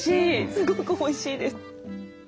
すごくおいしいです。